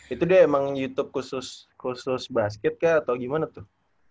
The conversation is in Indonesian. itu deh emang youtube khusus basket kah atau gimana tuh